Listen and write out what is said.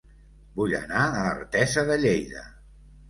Vull anar a Artesa de Lleida